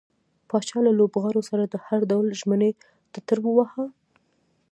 پاچا له لوبغاړو سره د هر ډول ژمنې ټټر واوهه.